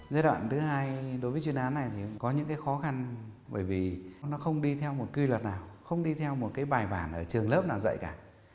giới đoạn thứ hai đối với chuyên án này có những khó khăn bởi vì nó không đi theo một quy luật nào không đi theo một bài bản ở trường lớp nào dạy cả